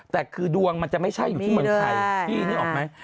แต่คือดวงมันจะไม่ใช่อยู่ที่เมืองไทยพี่นึกออกไหม